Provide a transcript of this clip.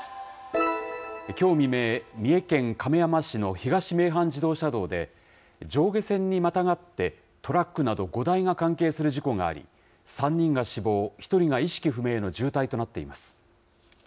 きょう未明、三重県亀山市の東名阪自動車道で、上下線にまたがって、トラックなど５台が関係する事故があり、３人が死亡、１人が意識不明の重体となっています。